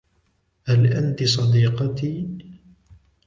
هل أنتِ صديقتي ؟